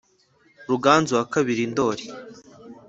ruganzu wa kabiri ndoli